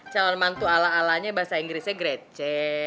calon mantu ala alanya bahasa inggrisnya grece